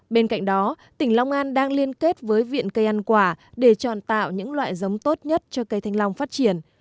bên cạnh đó tỉnh long an đang liên kết với viện cây ăn quả để chọn tạo những loại giống tốt nhất cho cây thanh long phát triển